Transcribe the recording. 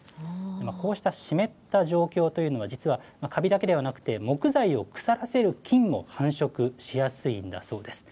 こうした湿った状況というのは、実はカビだけではなくて、木材を腐らせる菌が繁殖しやすいんだそうです。